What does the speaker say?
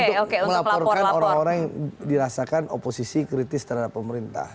untuk melaporkan orang orang yang dirasakan oposisi kritis terhadap pemerintah